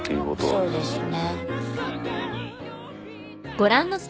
そうですね。